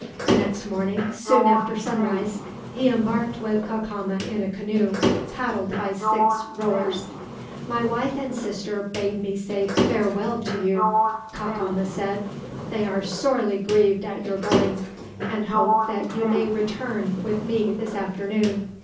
The next morning, soon after sunrise, he embarked with Cacama in a canoe, paddled by six rowers. "My wife and sister bade me say farewell to you," Cacama said. "They are sorely grieved at your going, and hope that you may return with me this afternoon.